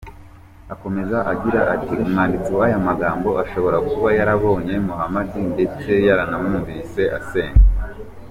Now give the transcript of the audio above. Akomeza agira ati “ Umwanditsi w’aya magambo ashobora kuba yarabonye Muhammad ndetse yaranamwumvise asenga.